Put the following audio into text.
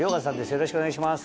よろしくお願いします。